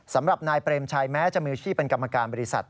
สำหรับนายเปรมชัยแม้จะมีชื่อเป็นกรรมการบริษัท